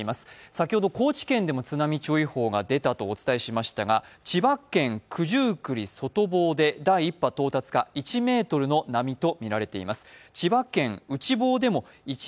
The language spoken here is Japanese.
先ほど高知県でも津波注意報が出たとお伝えしましたが千葉県九十九里、外房で第１波到達か１ｍの波とみられています。